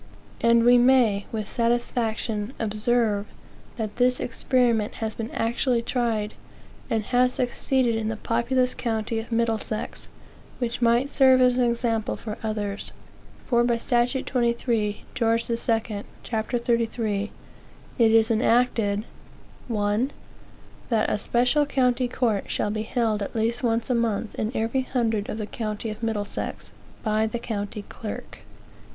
And we may, with satisfaction, observe, that this experiment has been actually tried, and has succeeded in the populous county of Middlesex, which might serve as an example for others. For by statute 23 Geo. II., ch. 33, it is enacted: 1. That a special county court shall be held at least once in a month, in every hundred of the county of Middlesex, by the county clerk.